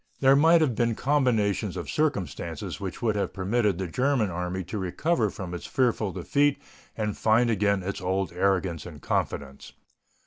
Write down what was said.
There might have been combinations of circumstances which would have permitted the German Army to recover from its fearful defeat and find again its old arrogance and confidence.